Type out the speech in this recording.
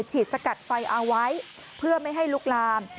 สกัดไฟเอาไว้เพื่อไม่ให้ลุกลาม